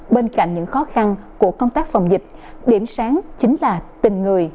bên cạnh những khó khăn của công tác phòng dịch điểm sáng chính là tình người